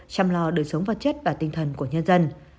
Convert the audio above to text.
chăm lo đời sống vật chất và tinh thần của nhân dân